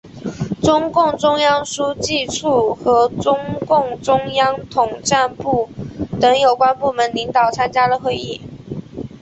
中共中央书记处和中共中央统战部等有关部门领导参加了会议。